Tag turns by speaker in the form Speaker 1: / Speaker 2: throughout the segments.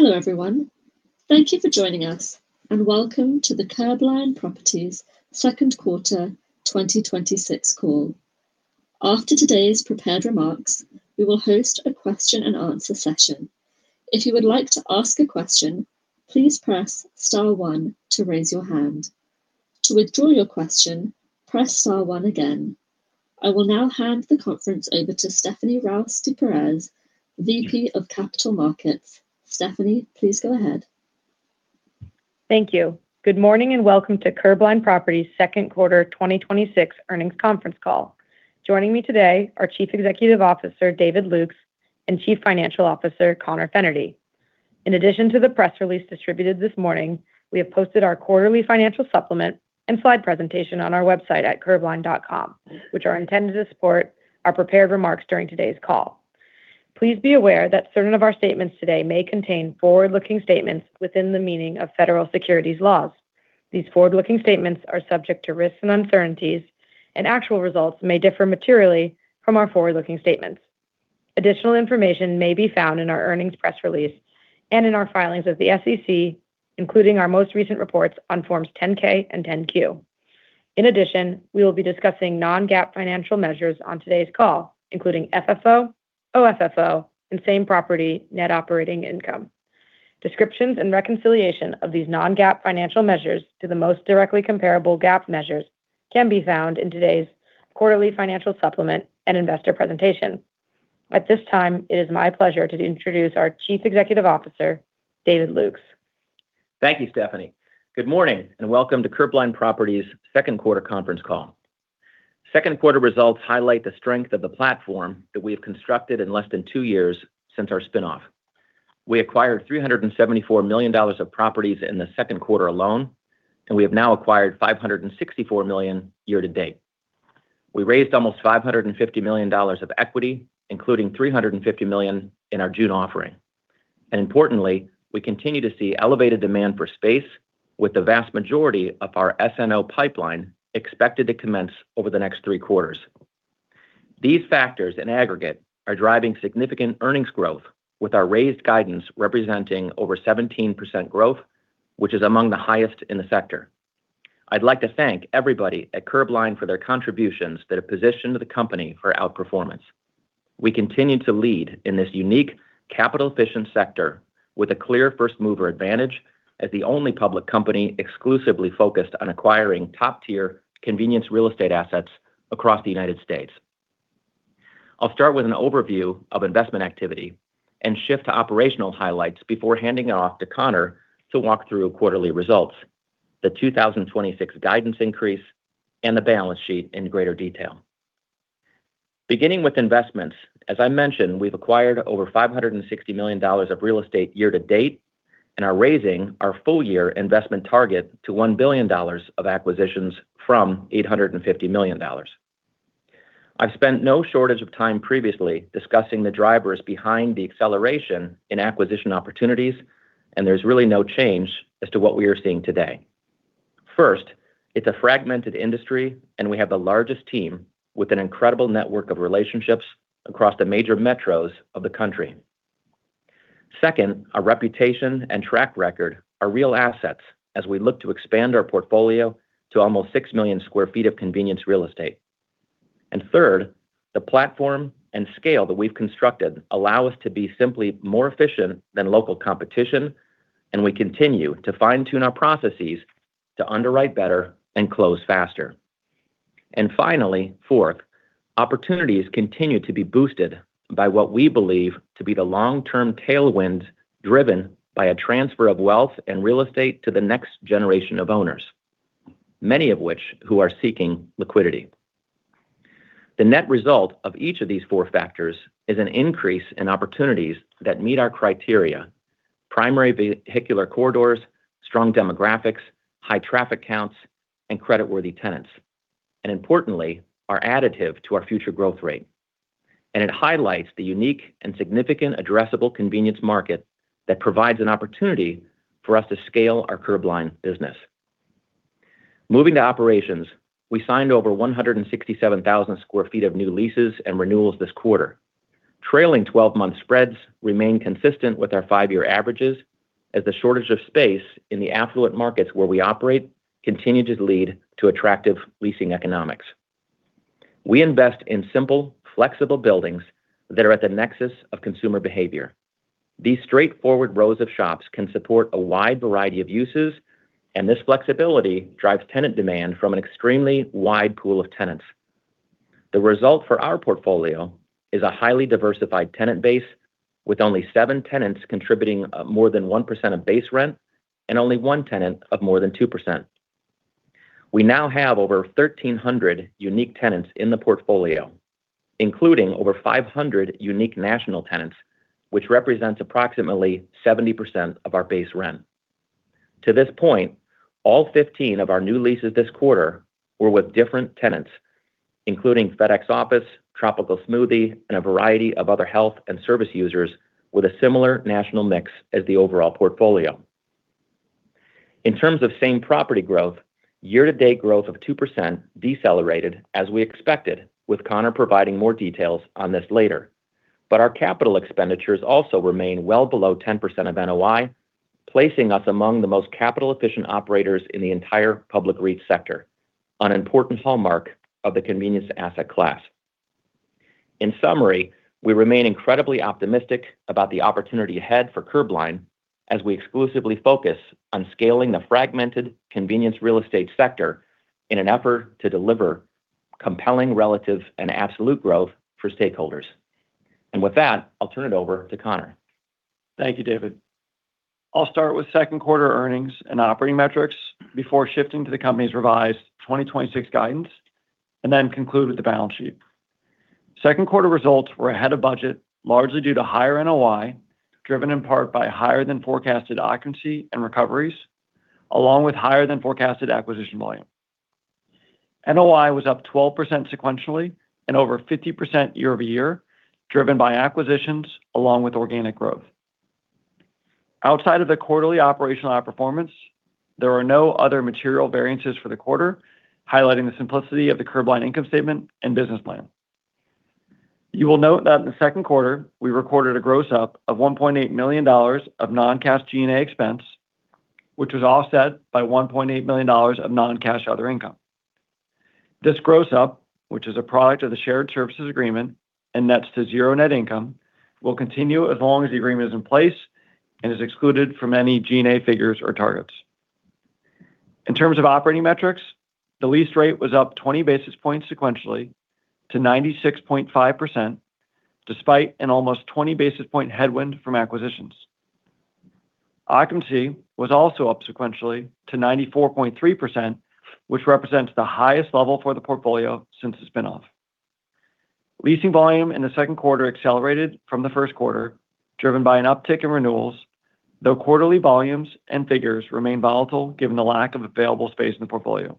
Speaker 1: Hello, everyone. Thank you for joining us. Welcome to the Curbline Properties second quarter 2026 call. After today's prepared remarks, we will host a Question and Answer session. If you would like to ask a question, please press star one to raise your hand. To withdraw your question, press star one again. I will now hand the conference over to Stephanie Ruys de Perez, VP of Capital Markets. Stephanie, please go ahead.
Speaker 2: Thank you. Good morning. Welcome to Curbline Properties second quarter 2026 earnings conference call. Joining me today are Chief Executive Officer, David Lukes, and Chief Financial Officer, Conor Fennerty. In addition to the press release distributed this morning, we have posted our quarterly Financial Supplement and slide presentation on our website at curbline.com, which are intended to support our prepared remarks during today's call. Please be aware that certain of our statements today may contain forward-looking statements within the meaning of federal securities laws. These forward-looking statements are subject to risks and uncertainties. Actual results may differ materially from our forward-looking statements. Additional information may be found in our earnings press release and in our filings with the SEC, including our most recent reports on Forms 10-K and 10-Q. We will be discussing non-GAAP financial measures on today's call, including FFO, OFFO, and same-property Net Operating Income. Descriptions and reconciliation of these non-GAAP financial measures to the most directly comparable GAAP measures can be found in today's quarterly Financial Supplement and Investor Presentation. At this time, it is my pleasure to introduce our Chief Executive Officer, David Lukes.
Speaker 3: Thank you, Stephanie. Good morning. Welcome to Curbline Properties second quarter conference call. Second quarter results highlight the strength of the platform that we have constructed in less than two years since our spinoff. We acquired $374 million of properties in the second quarter alone. We have now acquired $564 million year to date. We raised almost $550 million of equity, including $350 million in our June offering. Importantly, we continue to see elevated demand for space with the vast majority of our SNO pipeline expected to commence over the next three quarters. These factors in aggregate are driving significant earnings growth with our raised guidance representing over 17% growth, which is among the highest in the sector. I'd like to thank everybody at Curbline for their contributions that have positioned the company for outperformance. We continue to lead in this unique capital efficient sector with a clear first-mover advantage as the only public company exclusively focused on acquiring top-tier convenience real estate assets across the U.S. I'll start with an overview of investment activity and shift to operational highlights before handing it off to Conor to walk through quarterly results, the 2026 guidance increase, and the balance sheet in greater detail. Beginning with investments, as I mentioned, we've acquired over $560 million of real estate year to date and are raising our full year investment target to $1 billion of acquisitions from $850 million. There's really no change as to what we are seeing today. First, it's a fragmented industry. We have the largest team with an incredible network of relationships across the major metros of the country. Second, our reputation and track record are real assets as we look to expand our portfolio to almost 6 million square feett of convenience real estate. Third, the platform and scale that we've constructed allow us to be simply more efficient than local competition. We continue to fine-tune our processes to underwrite better and close faster. Finally, fourth, opportunities continue to be boosted by what we believe to be the long-term tailwind driven by a transfer of wealth and real estate to the next generation of owners, many of which who are seeking liquidity. The net result of each of these four factors is an increase in opportunities that meet our criteria: primary vehicular corridors, strong demographics, high traffic counts, and creditworthy tenants, and importantly, are additive to our future growth rate. It highlights the unique and significant addressable convenience market that provides an opportunity for us to scale our Curbline business. Moving to operations, we signed over 167,000 sq ft of new leases and renewals this quarter. Trailing 12-month spreads remain consistent with our five-year averages as the shortage of space in the affluent markets where we operate continue to lead to attractive leasing economics. We invest in simple, flexible buildings that are at the nexus of consumer behavior. These straightforward rows of shops can support a wide variety of uses, and this flexibility drives tenant demand from an extremely wide pool of tenants. The result for our portfolio is a highly diversified tenant base with only seven tenants contributing more than 1% of base rent and only one tenant of more than 2%. We now have over 1,300 unique tenants in the portfolio, including over 500 unique national tenants, which represents approximately 70% of our base rent. To this point, all 15 of our new leases this quarter were with different tenants, including FedEx Office, Tropical Smoothie, and a variety of other health and service users with a similar national mix as the overall portfolio. In terms of same-property growth, year-to-date growth of 2% decelerated as we expected, with Conor providing more details on this later. Our Capital Expenditures also remain well below 10% of NOI, placing us among the most capital-efficient operators in the entire public REIT sector, an important hallmark of the convenience asset class. In summary, we remain incredibly optimistic about the opportunity ahead for Curbline as we exclusively focus on scaling the fragmented convenience real estate sector in an effort to deliver compelling relative and absolute growth for stakeholders. With that, I'll turn it over to Conor.
Speaker 4: Thank you, David. I'll start with second quarter earnings and operating metrics before shifting to the company's revised 2026 guidance, then conclude with the balance sheet. Second quarter results were ahead of budget, largely due to higher NOI, driven in part by higher than forecasted occupancy and recoveries, along with higher than forecasted acquisition volume. NOI was up 12% sequentially and over 50% year-over-year, driven by acquisitions along with organic growth. Outside of the quarterly operational outperformance, there are no other material variances for the quarter, highlighting the simplicity of the Curbline income statement and business plan. You will note that in the second quarter, we recorded a gross up of $1.8 million of non-cash G&A expense, which was offset by $1.8 million of non-cash other income. This gross up, which is a product of the Shared Services Agreement and nets to zero net income, will continue as long as the agreement is in place and is excluded from any G&A figures or targets. In terms of operating metrics, the lease rate was up 20 basis points sequentially to 96.5%, despite an almost 20 basis point headwind from acquisitions. Occupancy was also up sequentially to 94.3%, which represents the highest level for the portfolio since the spin-off. Leasing volume in the second quarter accelerated from the first quarter, driven by an uptick in renewals, though quarterly volumes and figures remain volatile given the lack of available space in the portfolio.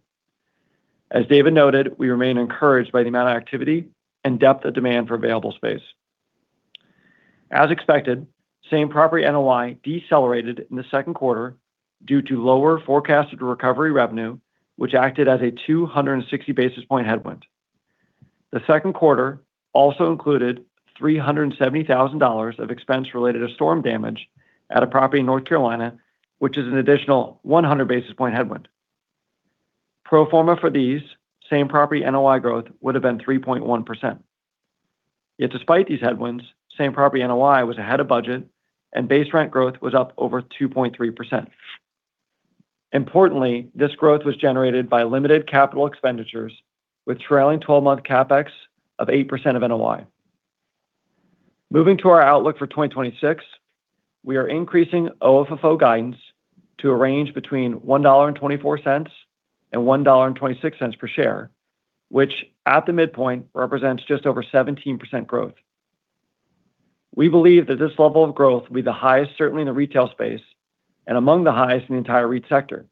Speaker 4: As David noted, we remain encouraged by the amount of activity and depth of demand for available space. As expected, same-property NOI decelerated in the second quarter due to lower forecasted recovery revenue, which acted as a 260 basis point headwind. The second quarter also included $370,000 of expense related to storm damage at a property in North Carolina, which is an additional 100 basis point headwind. Pro forma for these, Same-Property NOI growth would have been 3.1%. Yet despite these headwinds, Same-Property NOI was ahead of budget and base rent growth was up over 2.3%. Importantly, this growth was generated by limited Capital Expenditures with trailing 12-month CapEx of 8% of NOI. Moving to our outlook for 2026, we are increasing OFFO guidance to a range between $1.24 and $1.26 per share, which at the midpoint represents just over 17% growth. We believe that this level of growth will be the highest, certainly in the retail space and among the highest in the entire REIT sector.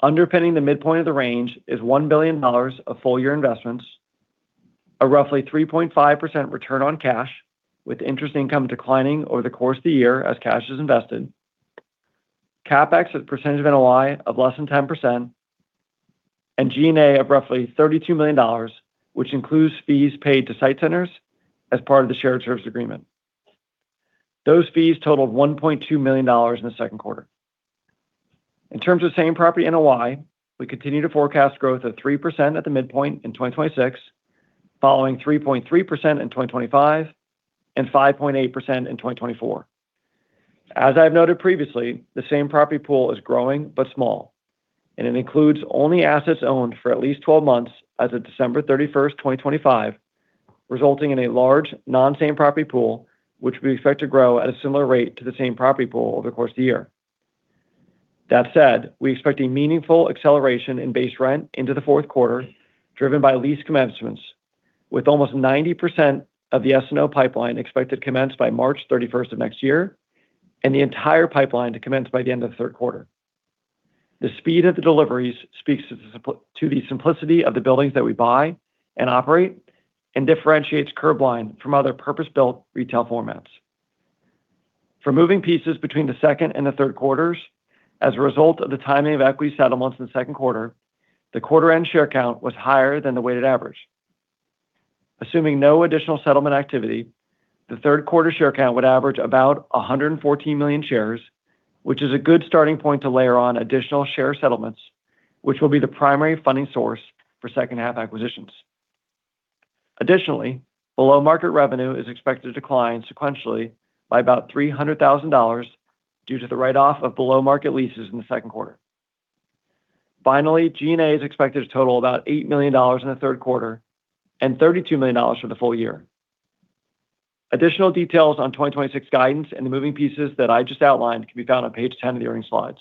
Speaker 4: Underpinning the midpoint of the range is $1 billion of full year investments, a roughly 3.5% return on cash, with interest income declining over the course of the year as cash is invested, CapEx as a percentage of NOI of less than 10%, and G&A of roughly $32 million, which includes fees paid to SITE Centers as part of the Shared Service Agreement. Those fees totaled $1.2 million in the second quarter. In terms of Same-Property NOI, we continue to forecast growth of 3% at the midpoint in 2026, following 3.3% in 2025 and 5.8% in 2024. As I've noted previously, the Same-Property pool is growing but small, and it includes only assets owned for at least 12 months as of December 31st, 2025, resulting in a large non-Same-Property pool, which we expect to grow at a similar rate to the Same-Property pool over the course of the year. That said, we expect a meaningful acceleration in base rent into the fourth quarter driven by lease commencements with almost 90% of the SNO pipeline expected to commence by March 31st of next year, and the entire pipeline to commence by the end of the third quarter. The speed of the deliveries speaks to the simplicity of the buildings that we buy and operate and differentiates Curbline from other purpose-built retail formats. For moving pieces between the second and the third quarters, as a result of the timing of equity settlements in the second quarter, the quarter end share count was higher than the weighted average. Assuming no additional settlement activity, the third quarter share count would average about 114 million shares, which is a good starting point to layer on additional share settlements, which will be the primary funding source for second half acquisitions. Additionally, below market revenue is expected to decline sequentially by about $300,000 due to the write-off of below market leases in the second quarter. Finally, G&A is expected to total about $8 million in the third quarter and $32 million for the full year. Additional details on 2026 guidance and the moving pieces that I just outlined can be found on page 10 of the earnings slides.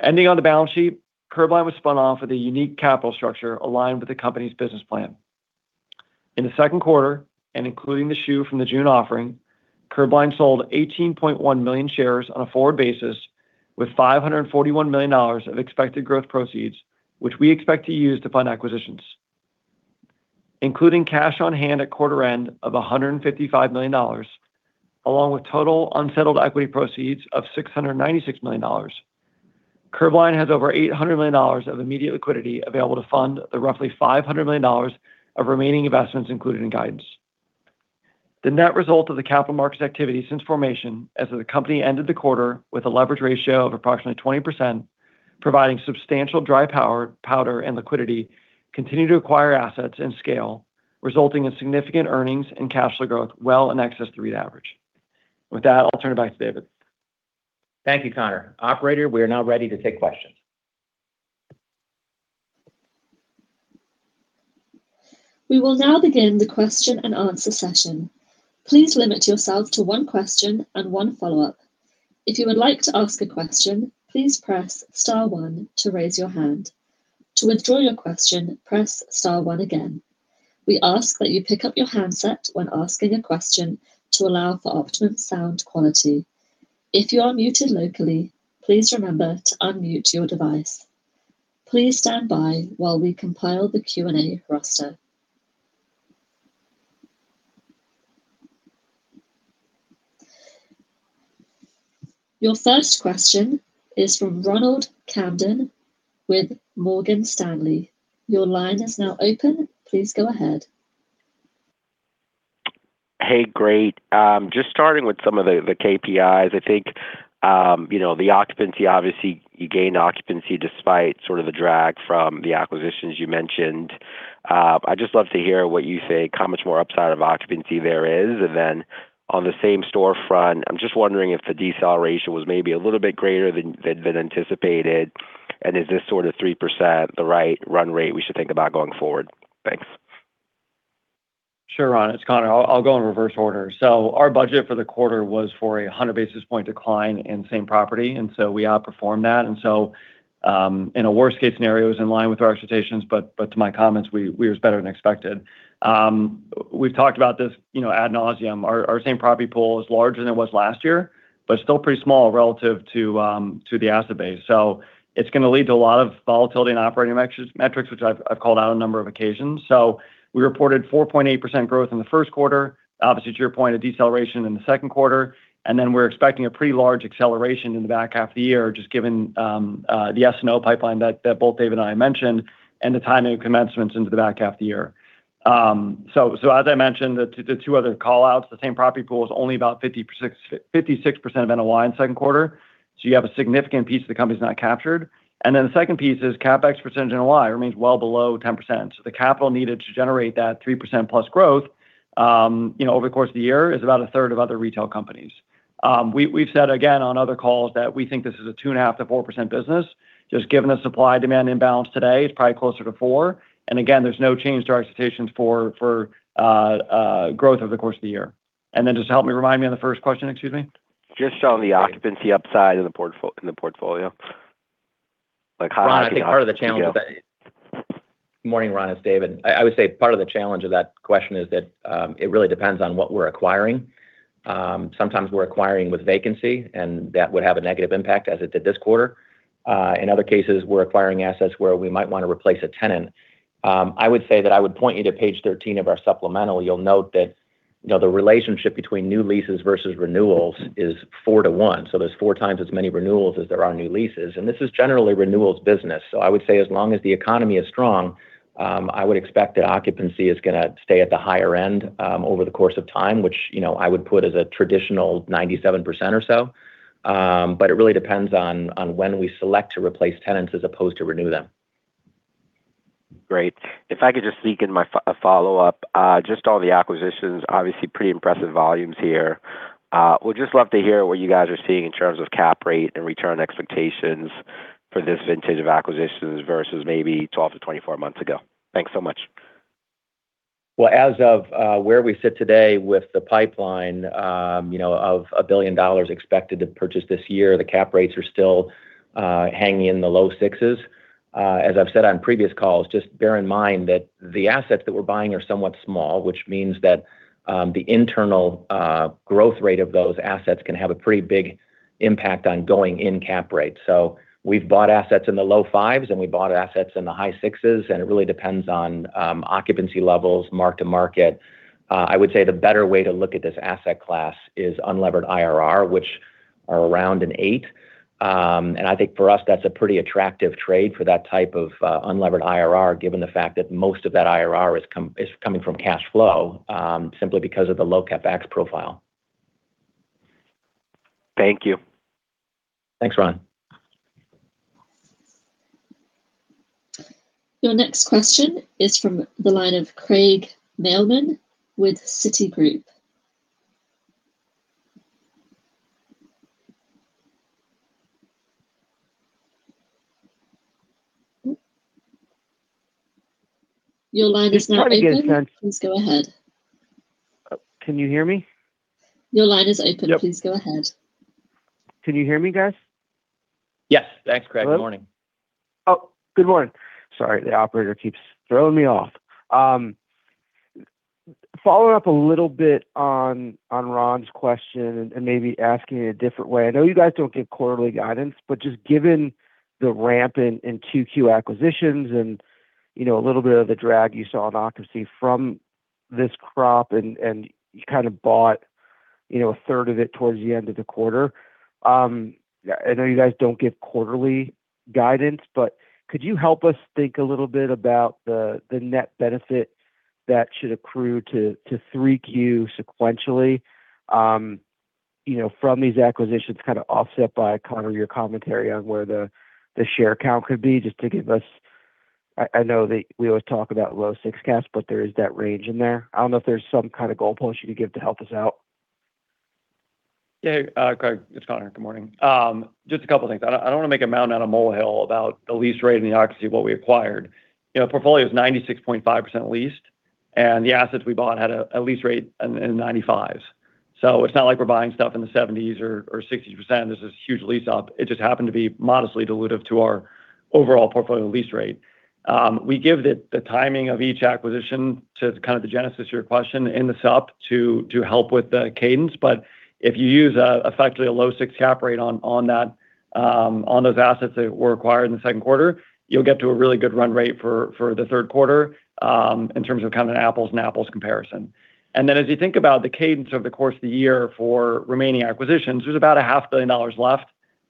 Speaker 4: Ending on the balance sheet, Curbline was spun off with a unique capital structure aligned with the company's business plan. In the second quarter, and including the SHU from the June offering, Curbline sold 18.1 million shares on a forward basis with $541 million of expected gross proceeds, which we expect to use to fund acquisitions. Including cash on hand at quarter end of $155 million, along with total unsettled equity proceeds of $696 million. Curbline has over $800 million of immediate liquidity available to fund the roughly $500 million of remaining investments included in guidance. The net result of the capital markets activity since formation, as of the company ended the quarter with a leverage ratio of approximately 20%, providing substantial dry powder and liquidity, continue to acquire assets and scale, resulting in significant earnings and cash flow growth well in excess of the REIT average. With that, I'll turn it back to David.
Speaker 3: Thank you, Conor. Operator, we are now ready to take questions.
Speaker 1: We will now begin the Question and Answer session. Please limit yourself to one question and one follow-up. If you would like to ask a question, please press star one to raise your hand. To withdraw your question, press star one again. We ask that you pick up your handset when asking a question to allow for optimum sound quality. If you are muted locally, please remember to unmute your device. Please stand by while we compile the Q&A roster. Your first question is from Ronald Kamdem with Morgan Stanley. Your line is now open. Please go ahead.
Speaker 5: Hey. Great. Just starting with some of the KPIs. I think the occupancy, obviously you gained occupancy despite the drag from the acquisitions you mentioned. I'd just love to hear what you say how much more upside of occupancy there is. On the same storefront, I'm just wondering if the deceleration was maybe a little bit greater than anticipated, is this sort of 3% the right run rate we should think about going forward? Thanks.
Speaker 4: Sure, Ron. It's Conor. I'll go in reverse order. Our budget for the quarter was for a 100 basis point decline in Same-Property, we outperformed that. In a worst-case scenario, it was in line with our expectations, but to my comments, it was better than expected. We've talked about this ad nauseam. Our Same-Property pool is larger than it was last year, but still pretty small relative to the asset base. It's going to lead to a lot of volatility in operating metrics, which I've called out on a number of occasions. We reported 4.8% growth in the first quarter, obviously, to your point, a deceleration in the second quarter, we're expecting a pretty large acceleration in the back half of the year, just given the SNO pipeline that both Dave and I mentioned and the timing of commencements into the back half of the year. As I mentioned, the two other call-outs, the Same-Property pool is only about 56% of NOI in the second quarter. You have a significant piece of the company that's not captured. The second piece is CapEx percentage NOI remains well below 10%. The capital needed to generate that 3%+ growth over the course of the year is about a third of other retail companies. We've said again on other calls that we think this is a 2.5% to 4% business. Just given the supply-demand imbalance today, it's probably closer to 4%. Again, there's no change to our expectations for growth over the course of the year. Just help me, remind me of the first question, excuse me.
Speaker 5: Just on the occupancy upside in the portfolio?
Speaker 3: Morning, Ron. It's David. I would say part of the challenge of that question is that it really depends on what we're acquiring. Sometimes we're acquiring with vacancy, and that would have a negative impact as it did this quarter. In other cases, we're acquiring assets where we might want to replace a tenant. I would say that I would point you to page 13 of our Supplemental. You'll note that the relationship between new leases versus renewals is four to one. There's four times as many renewals as there are new leases, and this is generally renewals business. I would say as long as the economy is strong, I would expect that occupancy is going to stay at the higher end over the course of time, which I would put as a traditional 97% or so. It really depends on when we select to replace tenants as opposed to renew them.
Speaker 5: Great. If I could just sneak in my follow-up. Just on the acquisitions, obviously pretty impressive volumes here. Would just love to hear what you guys are seeing in terms of cap rate and return expectations for this vintage of acquisitions versus maybe 12 to 24 months ago. Thanks so much.
Speaker 3: Well, as of where we sit today with the pipeline of $1 billion expected to purchase this year, the cap rates are still hanging in the low sixes. As I've said on previous calls, just bear in mind that the assets that we're buying are somewhat small, which means that the internal growth rate of those assets can have a pretty big impact on going-in cap rates. We've bought assets in the low fives, and we bought assets in the high sixes, and it really depends on occupancy levels, mark to market. I would say the better way to look at this asset class is unlevered IRR, which are around an eight. I think for us, that's a pretty attractive trade for that type of unlevered IRR, given the fact that most of that IRR is coming from cash flow, simply because of the low CapEx profile.
Speaker 5: Thank you.
Speaker 3: Thanks, Ron.
Speaker 1: Your next question is from the line of Craig Mailman with Citigroup. Your line is now open. Please go ahead.
Speaker 6: Can you hear me?
Speaker 1: Your line is open. Please go ahead.
Speaker 6: Can you hear me, guys?
Speaker 3: Yes. Thanks, Craig. Morning.
Speaker 6: Oh, good morning. Sorry, the operator keeps throwing me off. Following up a little bit on Ron's question and maybe asking it a different way. I know you guys don't give quarterly guidance, but just given the ramp in 2Q acquisitions and a little bit of the drag you saw in occupancy from this crop, and you kind of bought a third of it towards the end of the quarter. I know you guys don't give quarterly guidance, but could you help us think a little bit about the net benefit that should accrue to 3Q sequentially from these acquisitions, kind of offset by Conor, your commentary on where the share count could be just to give us I know that we always talk about low six caps, but there is that range in there. I don't know if there's some kind of goalpost you could give to help us out.
Speaker 4: Yeah. Craig, it's Conor. Good morning. Just a couple of things. I don't want to make a mountain out of molehill about the lease rate and the occupancy of what we acquired. The portfolio is 96.5% leased, and the assets we bought had a lease rate in the 95s. It's not like we're buying stuff in the 70s or 60s% that's this huge lease up. It just happened to be modestly dilutive to our overall portfolio lease rate. We give the timing of each acquisition to kind of the genesis of your question in the sup to help with the cadence. If you use effectively a low six cap rate on those assets that were acquired in the second quarter, you'll get to a really good run rate for the third quarter in terms of kind of an apples and apples comparison. As you think about the cadence over the course of the year for remaining acquisitions, there's about a half billion dollars left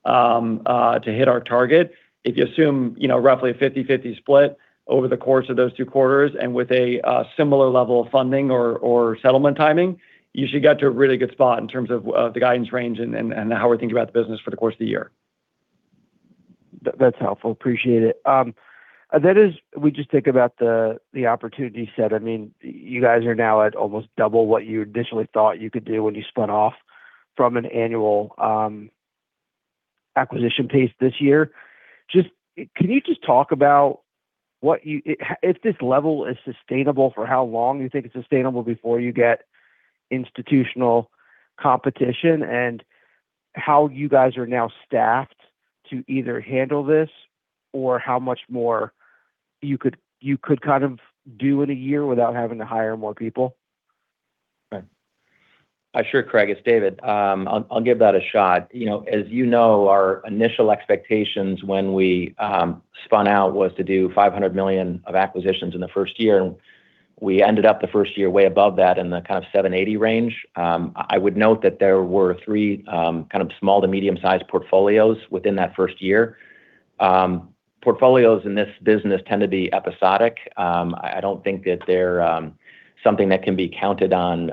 Speaker 4: to hit our target. If you assume roughly a 50/50 split over the course of those two quarters and with a similar level of funding or settlement timing, you should get to a really good spot in terms of the guidance range and how we're thinking about the business for the course of the year.
Speaker 6: That's helpful. Appreciate it. We just think about the opportunity set. You guys are now at almost double what you initially thought you could do when you spun off from an annual acquisition pace this year. Can you just talk about if this level is sustainable, for how long you think it's sustainable before you get institutional competition, and how you guys are now staffed to either handle this or how much more you could kind of do in a year without having to hire more people?
Speaker 3: Sure, Craig, it's David. I'll give that a shot. As you know, our initial expectations when we spun out was to do $500 million of acquisitions in the first year. We ended up the first year way above that in the kind of $780 million range. I would note that there were three kind of small to medium sized portfolios within that first year. Portfolios in this business tend to be episodic. I don't think that they're something that can be counted on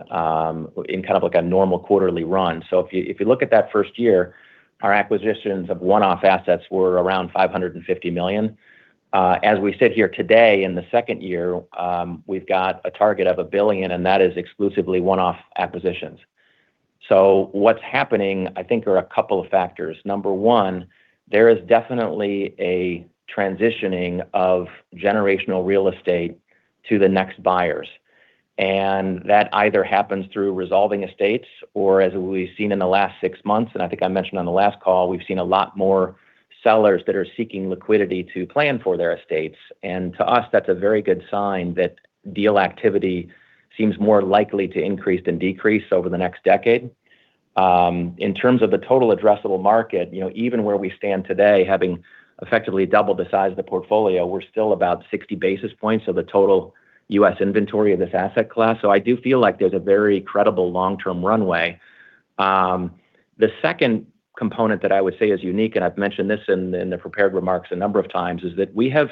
Speaker 3: in kind of like a normal quarterly run. If you look at that first year, our acquisitions of one-off assets were around $550 million. As we sit here today in the second year, we've got a target of $1 billion, and that is exclusively one-off acquisitions. What's happening, I think, are a couple of factors. Number one, there is definitely a transitioning of generational real estate to the next buyers, and that either happens through resolving estates or as we've seen in the last six months, and I think I mentioned on the last call, we've seen a lot more sellers that are seeking liquidity to plan for their estates. To us, that's a very good sign that deal activity seems more likely to increase than decrease over the next decade. In terms of the total addressable market, even where we stand today, having effectively doubled the size of the portfolio, we're still about 60 basis points of the total U.S. inventory of this asset class. I do feel like there's a very credible long-term runway. The second component that I would say is unique, and I've mentioned this in the prepared remarks a number of times, is that we have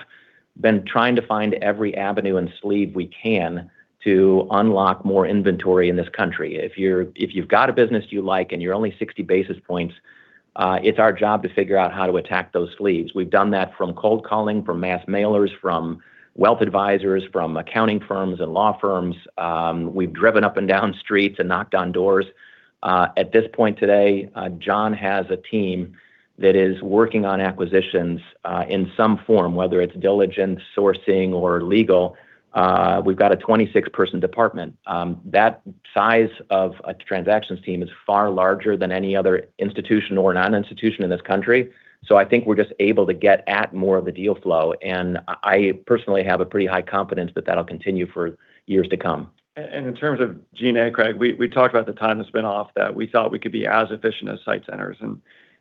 Speaker 3: been trying to find every avenue and sleeve we can to unlock more inventory in this country. If you've got a business you like and you're only 60 basis points, it's our job to figure out how to attack those sleeves. We've done that from cold calling, from mass mailers, from wealth advisors, from accounting firms and law firms. We've driven up and down streets and knocked on doors. At this point today, John has a team that is working on acquisitions in some form, whether it's diligence, sourcing or legal. We've got a 26-person department. That size of a transactions team is far larger than any other institution or non-institution in this country. I think we're just able to get at more of the deal flow, and I personally have a pretty high confidence that that'll continue for years to come.
Speaker 4: In terms of G&A, Craig, we talked about the time the spin-off that we thought we could be as efficient as SITE Centers.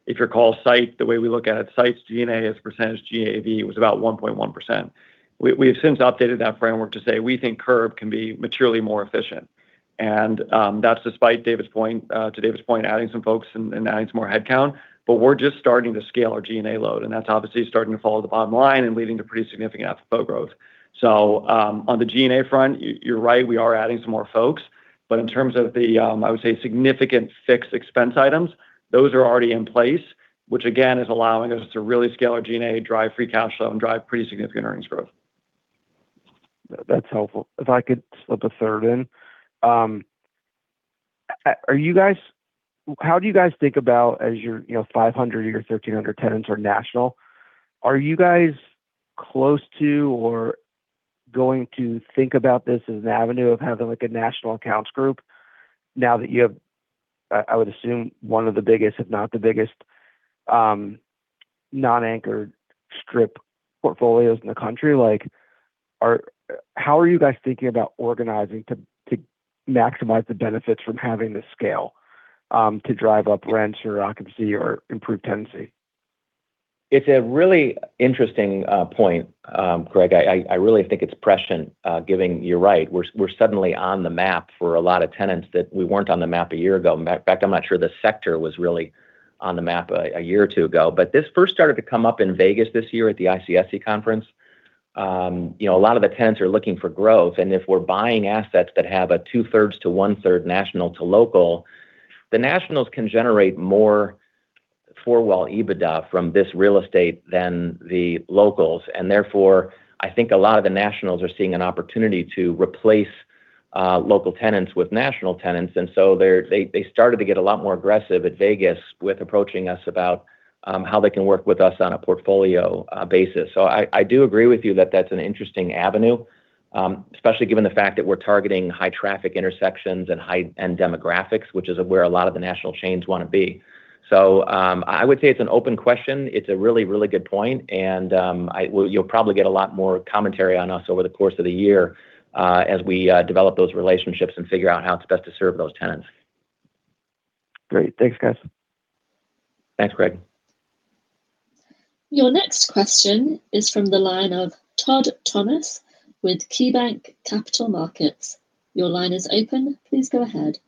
Speaker 4: If you call SITE the way we look at it, SITE's G&A as a percentage of GAV was about 1.1%. We've since updated that framework to say we think Curbline can be materially more efficient. That's despite to David's point, adding some folks and adding some more headcount. We're just starting to scale our G&A load, and that's obviously starting to fall to the bottom line and leading to pretty significant FFO growth. On the G&A front, you're right, we are adding some more folks. In terms of the, I would say, significant fixed expense items, those are already in place, which again is allowing us to really scale our G&A, drive free cash flow and drive pretty significant earnings growth.
Speaker 6: That's helpful. If I could slip a third in. How do you guys think about as your 500 or 1,300 tenants are national, are you guys close to or going to think about this as an avenue of having like a national accounts group? Now that you have, I would assume one of the biggest, if not the biggest, non-anchored strip portfolios in the country. How are you guys thinking about organizing to maximize the benefits from having this scale to drive up rents or occupancy or improve tenancy?
Speaker 3: It's a really interesting point, Craig. I really think it's prescient given you're right. We're suddenly on the map for a lot of tenants that we weren't on the map a year ago. Matter of fact, I'm not sure the sector was really on the map a year or two ago. This first started to come up in Vegas this year at the ICSC conference. A lot of the tenants are looking for growth, and if we're buying assets that have a two-thirds to one-third national to local, the nationals can generate more for while EBITDA from this real estate than the locals. Therefore, I think a lot of the nationals are seeing an opportunity to replace local tenants with national tenants. They started to get a lot more aggressive at Vegas with approaching us about how they can work with us on a portfolio basis. I do agree with you that that's an interesting avenue, especially given the fact that we're targeting high traffic intersections and high-end demographics, which is where a lot of the national chains want to be. I would say it's an open question. It's a really, really good point, and you'll probably get a lot more commentary on us over the course of the year as we develop those relationships and figure out how it's best to serve those tenants.
Speaker 6: Great. Thanks, guys.
Speaker 3: Thanks, Craig.
Speaker 1: Your next question is from the line of Todd Thomas with KeyBanc Capital Markets. Your line is open. Please go ahead.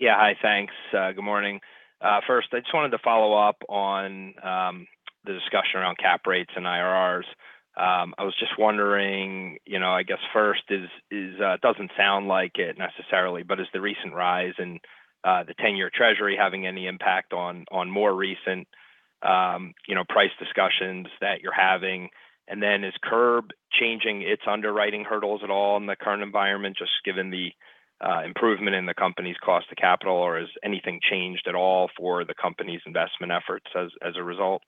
Speaker 7: Yeah. Hi, thanks. Good morning. First, I just wanted to follow up on the discussion around cap rates and IRRs. I was just wondering, I guess first is, it doesn't sound like it necessarily, but is the recent rise in the 10-year Treasury having any impact on more recent price discussions that you're having? Then is Curbline changing its underwriting hurdles at all in the current environment, just given the improvement in the company's cost to capital? Or has anything changed at all for the company's investment efforts as a result?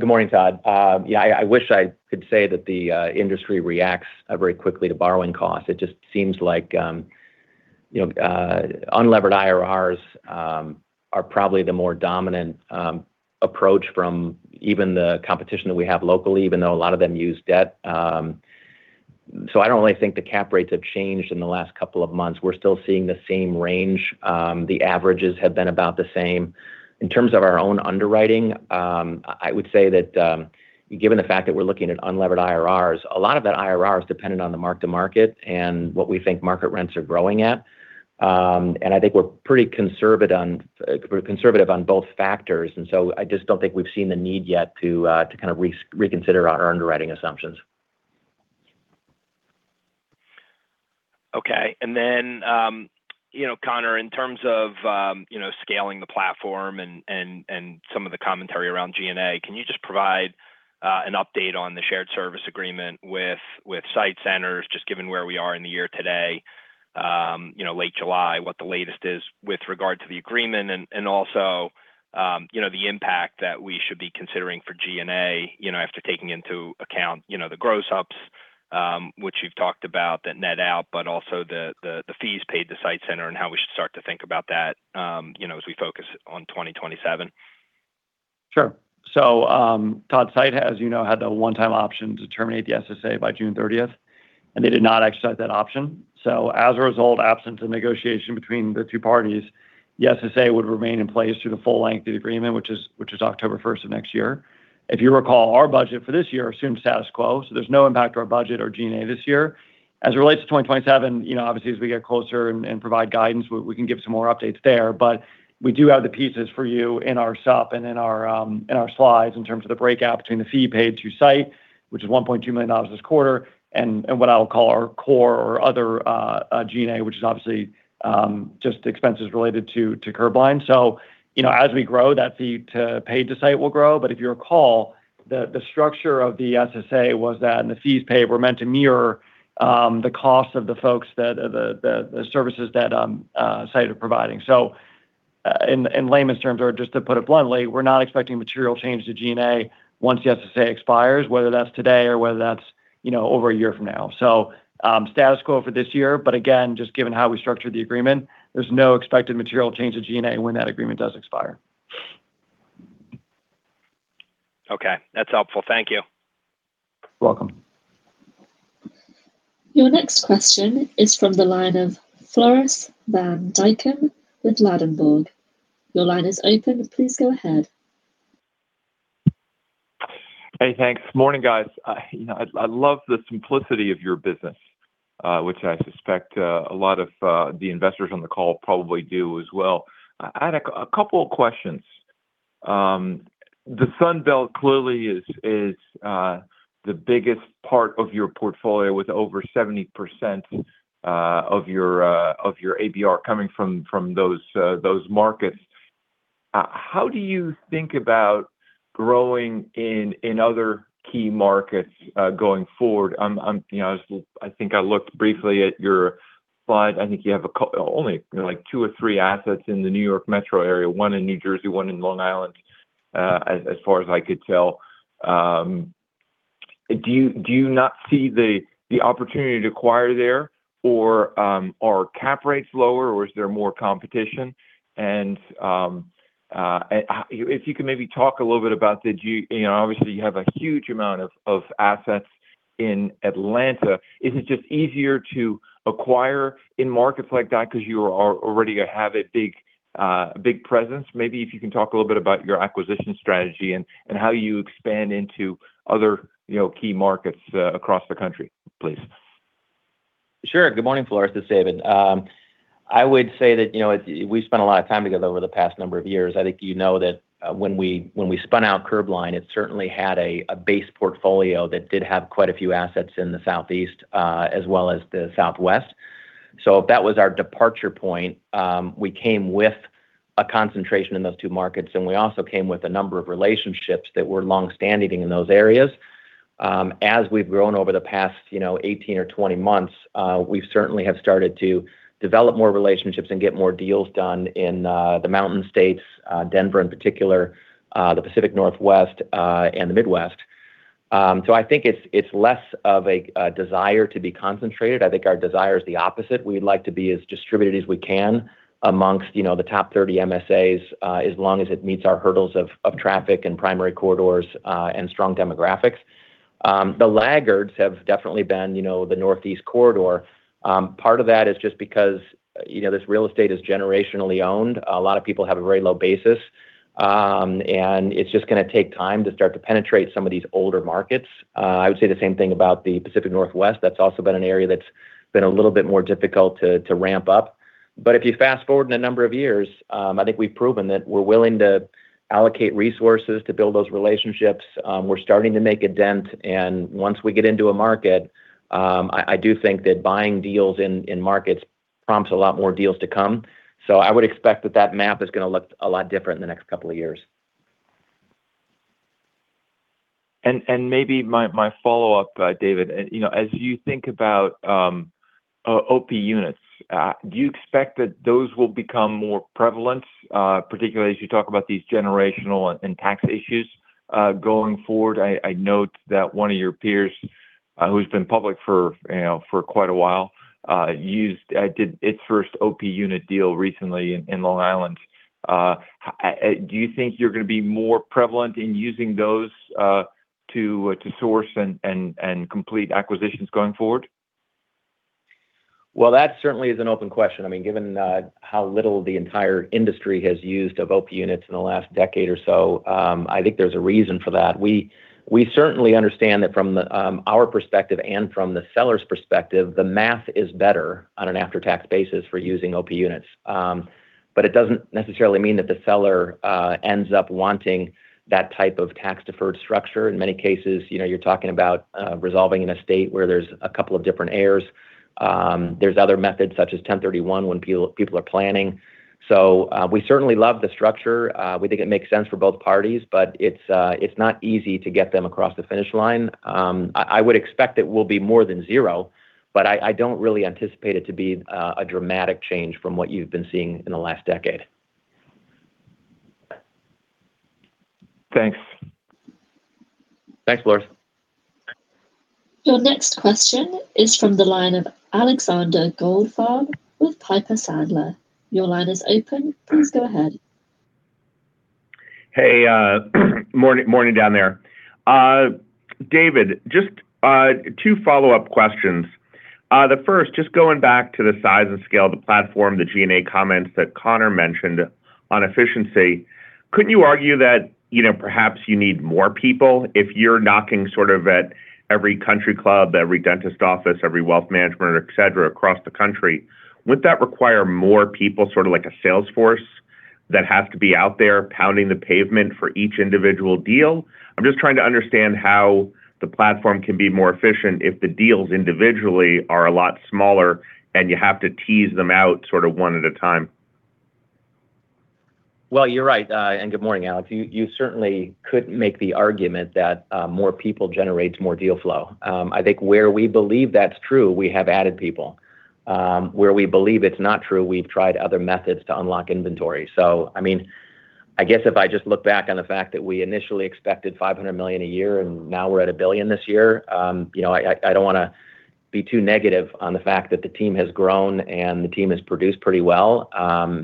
Speaker 3: Good morning, Todd. Yeah, I wish I could say that the industry reacts very quickly to borrowing costs. It just seems like unlevered IRRs are probably the more dominant approach from even the competition that we have locally, even though a lot of them use debt. I don't really think the cap rates have changed in the last couple of months. We're still seeing the same range. The averages have been about the same. In terms of our own underwriting, I would say that given the fact that we're looking at unlevered IRRs, a lot of that IRR is dependent on the mark to market and what we think market rents are growing at. I think we're pretty conservative on both factors, I just don't think we've seen the need yet to kind of reconsider our underwriting assumptions.
Speaker 7: Okay. Then Conor, in terms of scaling the platform and some of the commentary around G&A, can you just provide an update on the Shared Service Agreement with SITE Centers, just given where we are in the year today, late July, what the latest is with regard to the agreement and also the impact that we should be considering for G&A, after taking into account the gross ups which you've talked about that net out, but also the fees paid to SITE Centers and how we should start to think about that as we focus on 2027.
Speaker 4: Sure. Todd, SITE, as you know, had the one-time option to terminate the SSA by June 30th, and they did not exercise that option. As a result, absent a negotiation between the two parties, the SSA would remain in place through the full length of the agreement, which is October 1st of next year. If you recall, our budget for this year assumed status quo, there's no impact to our budget or G&A this year. As it relates to 2027, obviously, as we get closer and provide guidance, we can give some more updates there. We do have the pieces for you in our sup and in our slides in terms of the breakout between the fee paid to SITE, which is $1.2 million this quarter, and what I'll call our core or other G&A, which is obviously just expenses related to Curbline. As we grow, that fee paid to SITE will grow. If you recall, the structure of the SSA was that and the fees paid were meant to mirror the cost of the services that SITE are providing. In layman's terms, or just to put it bluntly, we're not expecting material change to G&A once the SSA expires, whether that's today or whether that's over a year from now. Status quo for this year, but again, just given how we structured the agreement, there's no expected material change to G&A when that agreement does expire.
Speaker 7: Okay. That's helpful. Thank you.
Speaker 4: You're welcome.
Speaker 1: Your next question is from the line of Floris van Dijkum with Ladenburg. Your line is open. Please go ahead.
Speaker 8: Hey, thanks. Morning, guys. I love the simplicity of your business, which I suspect a lot of the investors on the call probably do as well. I had a couple of questions. The Sun Belt clearly is the biggest part of your portfolio, with over 70% of your ABR coming from those markets. How do you think about growing in other key markets going forward? I think I looked briefly at your slide. I think you have only two or three assets in the New York Metro area, one in New Jersey, one in Long Island, as far as I could tell. Do you not see the opportunity to acquire there, or are cap rates lower, or is there more competition? If you could maybe talk a little bit about you have a huge amount of assets in Atlanta. Is it just easier to acquire in markets like that because you already have a big presence? Maybe if you can talk a little bit about your acquisition strategy and how you expand into other key markets across the country, please.
Speaker 3: Sure. Good morning, Floris. This is David. I would say that we've spent a lot of time together over the past number of years. I think you know that when we spun out Curbline, it certainly had a base portfolio that did have quite a few assets in the Southeast as well as the Southwest. That was our departure point. We also came with a number of relationships that were longstanding in those areas. As we've grown over the past 18 or 20 months, we certainly have started to develop more relationships and get more deals done in the mountain states, Denver in particular, the Pacific Northwest, and the Midwest. I think it's less of a desire to be concentrated. I think our desire is the opposite. We'd like to be as distributed as we can amongst the top 30 Metropolitan Statistical Areas, as long as it meets our hurdles of traffic and primary corridors, and strong demographics. The laggards have definitely been the Northeast corridor. Part of that is just because this real estate is generationally owned. A lot of people have a very low basis, and it's just going to take time to start to penetrate some of these older markets. I would say the same thing about the Pacific Northwest. That's also been an area that's been a little bit more difficult to ramp up. But if you fast-forward a number of years, I think we've proven that we're willing to allocate resources to build those relationships. We're starting to make a dent, and once we get into a market, I do think that buying deals in markets prompts a lot more deals to come. I would expect that that map is going to look a lot different in the next couple of years.
Speaker 8: Maybe my follow-up, David. As you think about Operating Partnership units, do you expect that those will become more prevalent, particularly as you talk about these generational and tax issues going forward? I note that one of your peers, who's been public for quite a while, did its first Operating Partnership unit deal recently in Long Island. Do you think you're going to be more prevalent in using those to source and complete acquisitions going forward?
Speaker 3: Well, that certainly is an open question. Given how little the entire industry has used of Operating Partnership units in the last decade or so, I think there's a reason for that. We certainly understand that from our perspective and from the seller's perspective, the math is better on an after-tax basis for using Operating Partnership units. But it doesn't necessarily mean that the seller ends up wanting that type of tax-deferred structure. In many cases, you're talking about resolving an estate where there's a couple of different heirs. There's other methods, such as 1031, when people are planning. So we certainly love the structure. We think it makes sense for both parties, but it's not easy to get them across the finish line. I would expect it will be more than zero, I don't really anticipate it to be a dramatic change from what you've been seeing in the last decade.
Speaker 8: Thanks.
Speaker 3: Thanks, Floris.
Speaker 1: Your next question is from the line of Alexander Goldfarb with Piper Sandler. Your line is open. Please go ahead.
Speaker 9: Hey, good morning down there. David, just two follow-up questions. The first, just going back to the size and scale of the platform, the G&A comments that Conor mentioned on efficiency. Couldn't you argue that perhaps you need more people if you're knocking sort of at every country club, every dentist office, every wealth management, et cetera, across the country? Would that require more people, sort of like a sales force, that have to be out there pounding the pavement for each individual deal? I'm just trying to understand how the platform can be more efficient if the deals individually are a lot smaller and you have to tease them out sort of one at a time.
Speaker 3: Good morning, Alex. You certainly could make the argument that more people generates more deal flow. I think where we believe that's true, we have added people. Where we believe it's not true, we've tried other methods to unlock inventory. I guess if I just look back on the fact that we initially expected $500 million a year, and now we're at $1 billion this year, I don't want to be too negative on the fact that the team has grown and the team has produced pretty well.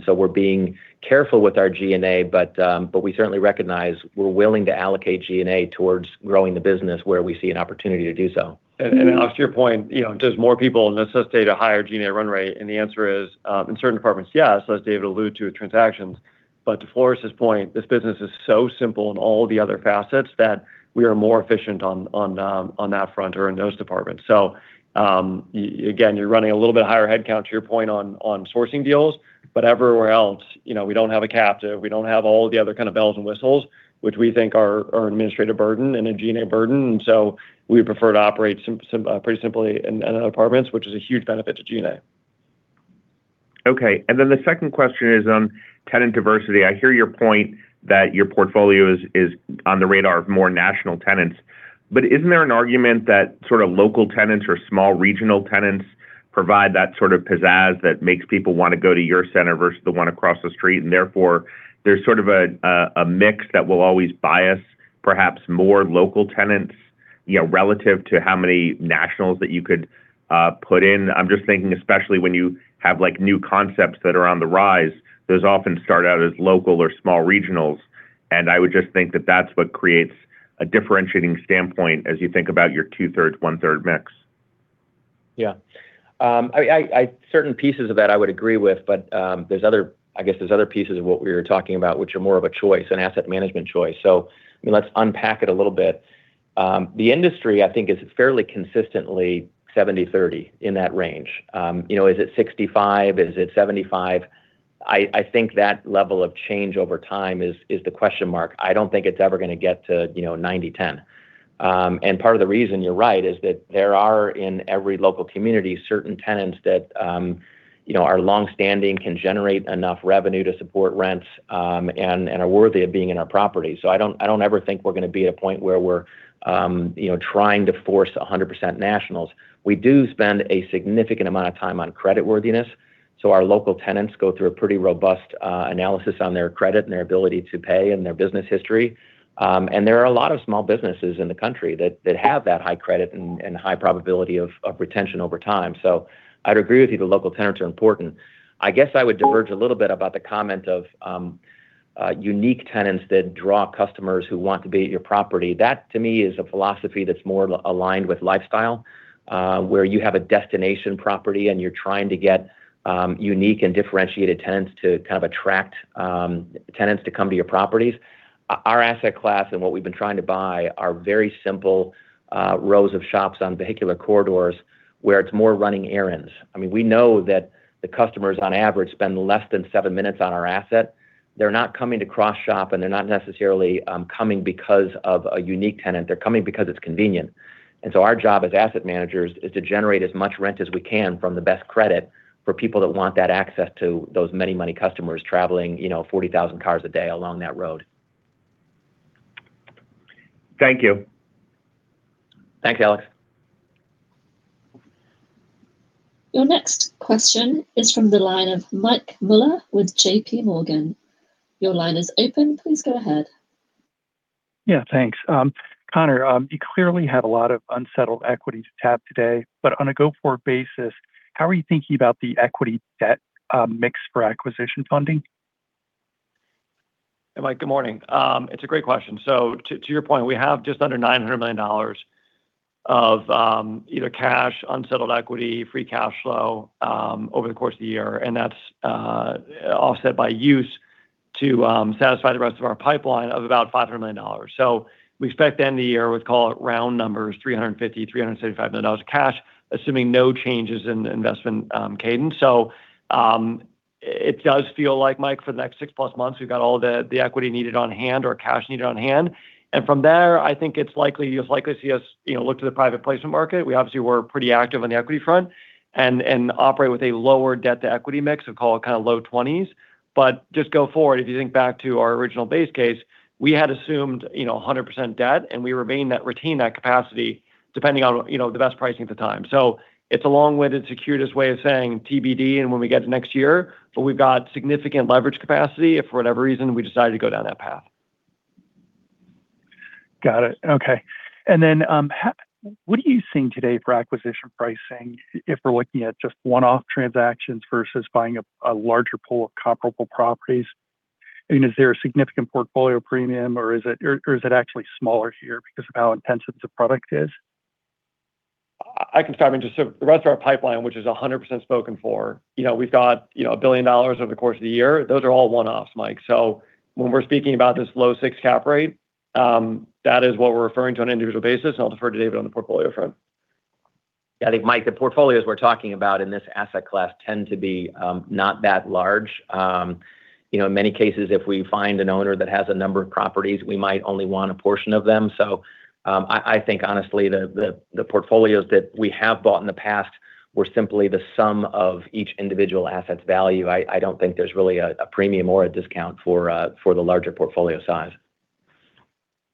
Speaker 3: We're being careful with our G&A, but we certainly recognize we're willing to allocate G&A towards growing the business where we see an opportunity to do so.
Speaker 4: Alex, to your point, does more people necessitate a higher G&A run rate? The answer is, in certain departments, yes, as David alluded to with transactions. To Floris' point, this business is so simple in all the other facets that we are more efficient on that front or in those departments. Again, you're running a little bit higher headcount, to your point, on sourcing deals, but everywhere else, we don't have a captive. We don't have all the other kind of bells and whistles, which we think are an administrative burden and a G&A burden. We prefer to operate pretty simply in other departments, which is a huge benefit to G&A.
Speaker 9: Okay. The second question is on tenant diversity. I hear your point that your portfolio is on the radar of more national tenants, but isn't there an argument that sort of local tenants or small regional tenants provide that sort of pizzazz that makes people want to go to your center versus the one across the street? Therefore, there's sort of a mix that will always bias perhaps more local tenants relative to how many nationals that you could put in. I'm just thinking especially when you have new concepts that are on the rise, those often start out as local or small regionals. I would just think that that's what creates a differentiating standpoint as you think about your 2/3, 1/3 mix.
Speaker 3: Yeah. Certain pieces of that I would agree with, but I guess there's other pieces of what we were talking about which are more of a choice, an asset management choice. Let's unpack it a little bit. The industry, I think is fairly consistently 70/30, in that range. Is it 65? Is it 75? I think that level of change over time is the question mark. I don't think it's ever going to get to 90/10. Part of the reason, you're right, is that there are, in every local community, certain tenants that are longstanding, can generate enough revenue to support rents, and are worthy of being in our property. I don't ever think we're going to be at a point where we're trying to force 100% nationals. We do spend a significant amount of time on creditworthiness, our local tenants go through a pretty robust analysis on their credit and their ability to pay and their business history. There are a lot of small businesses in the country that have that high credit and high probability of retention over time. I'd agree with you that local tenants are important. I guess I would diverge a little bit about the comment of unique tenants that draw customers who want to be at your property. That, to me, is a philosophy that's more aligned with lifestyle, where you have a destination property and you're trying to get unique and differentiated tenants to kind of attract tenants to come to your properties. Our asset class and what we've been trying to buy are very simple rows of shops on vehicular corridors where it's more running errands. We know that the customers, on average, spend less than seven minutes on our asset. They're not coming to cross-shop, and they're not necessarily coming because of a unique tenant. They're coming because it's convenient. Our job as asset managers is to generate as much rent as we can from the best credit for people that want that access to those many customers traveling 40,000 cars a day along that road.
Speaker 9: Thank you.
Speaker 3: Thanks, Alex.
Speaker 1: Your next question is from the line of Mike Mueller with JPMorgan. Your line is open. Please go ahead.
Speaker 10: Yeah, thanks. Conor, you clearly had a lot of unsettled equity to tap today. On a go-forward basis, how are you thinking about the equity debt mix for acquisition funding?
Speaker 4: Hey, Mike. Good morning. It's a great question. To your point, we have just under $900 million of either cash, unsettled equity, free cash flow, over the course of the year, and that's offset by use to satisfy the rest of our pipeline of about $500 million. We expect at the end of the year, we'd call it round numbers, $350 million, $375 million of cash, assuming no changes in investment cadence. It does feel like, Mike, for the next six-plus months, we've got all the equity needed on hand or cash needed on hand. From there, I think you'll likely see us look to the private placement market. We obviously were pretty active on the equity front and operate with a lower debt-to-equity mix. We call it kind of low 20s. Just go forward, if you think back to our original base case, we had assumed 100% debt, and we retain that capacity depending on the best pricing at the time. It's a long-winded, circuitous way of saying TBD and when we get to next year. We've got significant leverage capacity if for whatever reason we decided to go down that path.
Speaker 10: Got it. Okay. What are you seeing today for acquisition pricing if we're looking at just one-off transactions versus buying a larger pool of comparable properties? Is there a significant portfolio premium, or is it actually smaller here because of how intensive the product is?
Speaker 4: I can start. The rest of our pipeline, which is 100% spoken for. We've got $1 billion over the course of the year. Those are all one-offs, Mike. When we're speaking about this low six cap rate, that is what we're referring to on an individual basis, and I'll defer to David on the portfolio front.
Speaker 3: I think, Mike, the portfolios we're talking about in this asset class tend to be not that large. In many cases, if we find an owner that has a number of properties, we might only want a portion of them. I think honestly, the portfolios that we have bought in the past were simply the sum of each individual asset's value. I don't think there's really a premium or a discount for the larger portfolio size.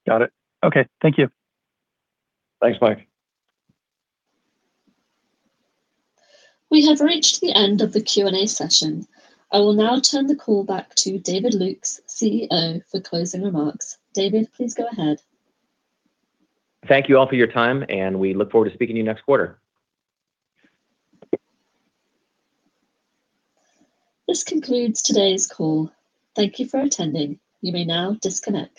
Speaker 10: Got it. Okay. Thank you.
Speaker 4: Thanks, Mike.
Speaker 1: We have reached the end of the Q&A session. I will now turn the call back to David Lukes, CEO, for closing remarks. David, please go ahead.
Speaker 3: Thank you all for your time, and we look forward to speaking to you next quarter.
Speaker 1: This concludes today's call. Thank you for attending. You may now disconnect.